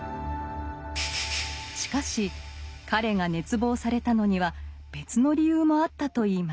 しかし彼が熱望されたのには別の理由もあったといいます。